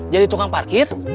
jadi tukang parkir